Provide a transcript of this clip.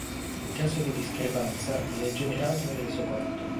In caso di discrepanza, viene generato un resoconto.